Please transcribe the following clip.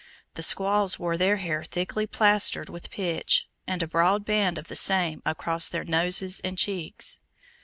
The squaws wore their hair thickly plastered with pitch, and a broad band of the same across their noses and cheeks.